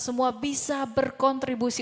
semua bisa berkontribusi